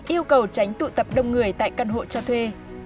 yêu cầu tránh tụ tập đông người tại căn hộ cho thuê